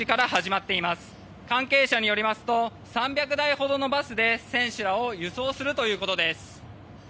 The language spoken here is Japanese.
関係者によりますと３００台ほどのバスで選手らを輸送するということです。